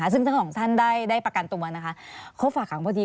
ซึ่งทั้ง๒ท่านได้ประกันตัวครบฝากขังพอดี